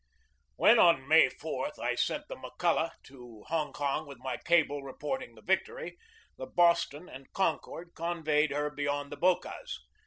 When, on May 4, I sent the McCulloch to Hong Kong with my cable reporting the victory * the Bos ton and Concord convoyed her beyond the Bocas.